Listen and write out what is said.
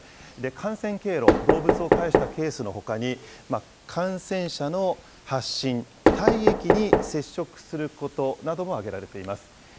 感染経路、動物を介したケースのほかに、感染者の発疹、体液に接触することなども挙げられています。